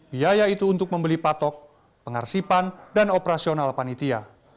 biaya itu untuk membeli patok pengarsipan dan operasional panitia